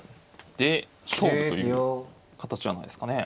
で勝負という形なんですかね。